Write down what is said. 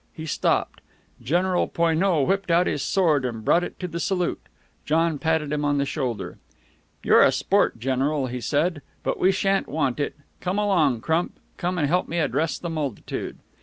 He stopped. General Poineau whipped out his sword, and brought it to the salute. John patted him on the shoulder. "You're a sport, General," he said, "but we sha'n't want it. Come along, Crump. Come and help me address the multitude."